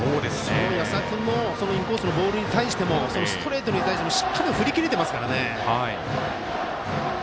安田君のインコースのボールに対してもストレートに対してもしっかりと振り切れてますからね。